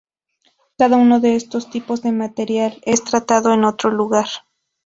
Cada uno de estos tipos de material es tratado en otro lugar.